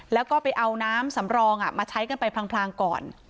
แล้วก็ไปเอาน้ำสำรองมาใช้กันไปพลางก่อน